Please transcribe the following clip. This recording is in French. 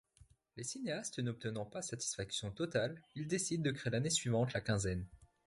Les cinéastes n'obtenant pas satisfaction totale, ils décident de créer l'année suivante la Quinzaine.